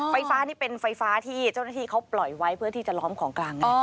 ไฟฟ้านี่เป็นไฟฟ้าที่เจ้าหน้าที่เขาปล่อยไว้เพื่อที่จะล้อมของกลาง